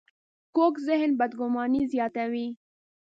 کوږ ذهن بدګماني زیاتوي